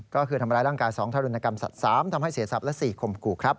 ก็คือทำร้ายร่างกาย๒ทารุณกรรมสัตว์๓ทำให้เสียทรัพย์และ๔ข่มขู่ครับ